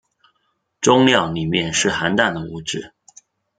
终尿里面是含氮的物质。